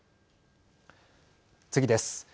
次です。